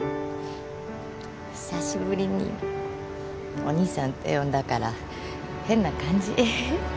久しぶりにお兄さんって呼んだから変な感じ。